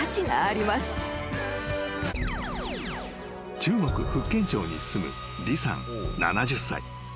［中国福建省に住む李さん７０歳］